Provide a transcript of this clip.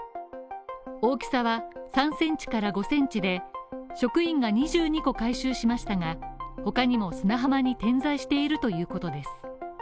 大きさは３センチから５センチで、職員が２２個を回収しましたが他にも砂浜に点在しているということです